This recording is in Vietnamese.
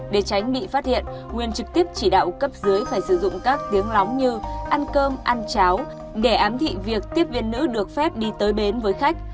để tránh bị phát hiện nguyên trực tiếp chỉ đạo cấp dưới phải sử dụng các tiếng lóng như ăn cơm ăn cháo để ám thị việc tiếp viên nữ được phép đi tới bến với khách